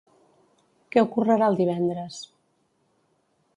Què ocorrerà el divendres?